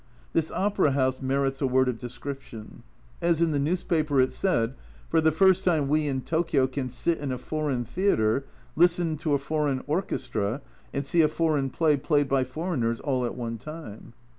This Opera House merits a word of description. As in the newspaper it said " For the first time we in Tokio can sit in a foreign theatre, listen to a foreign orchestra, and see a foreign play played by foreigners all at one time."